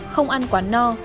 không ăn quá no